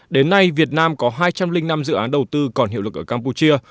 đến nay việt nam có hai trăm linh năm dự án đầu tư còn hiệu lực ở campuchia